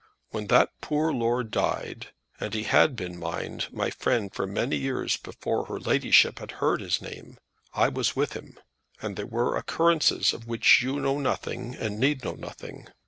When that poor lord died, and he had been, mind, my friend for many years before her ladyship had heard his name, I was with him; and there were occurrences of which you know nothing and need know nothing.